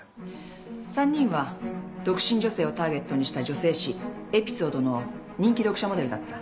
３人は独身女性をターゲットにした女性誌『Ｅｐｉｓｏｄｅ』の人気読者モデルだった。